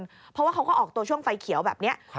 เพราะว่าเขาก็ออกตัวช่วงไฟเขียวแบบนี้